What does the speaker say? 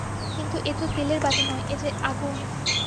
কিন্তু, এ তো তেলের বাতি নয়, এ যে আগুন!